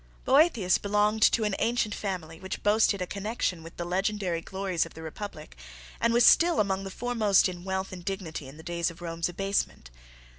Boethius belonged to an ancient family, which boasted a connection with the legendary glories of the Republic, and was still among the foremost in wealth and dignity in the days of Rome's abasement.